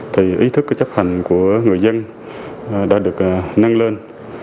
thì ý thức chấp hành của người dân đã được năng lên